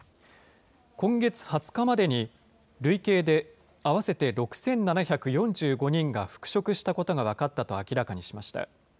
今月２０日までに累計で合わせて６７４５人が復職したことが分かったと明らかにしました。